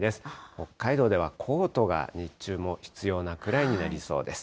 北海道ではコートが日中も必要なくらいになりそうです。